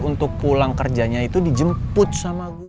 untuk pulang kerjanya itu dijemput sama gue